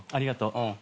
うん。